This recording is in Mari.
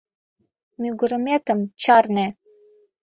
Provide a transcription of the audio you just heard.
Мӱгырыметым чарне!